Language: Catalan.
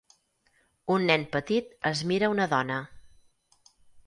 Un nen petit es mira una dona.